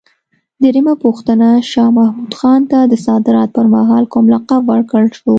درېمه پوښتنه: شاه محمود خان ته د صدارت پر مهال کوم لقب ورکړل شو؟